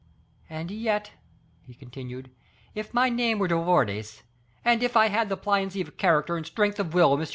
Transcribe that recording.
"And yet," he continued, "if my name were De Wardes, and if I had the pliancy of character and strength of will of M.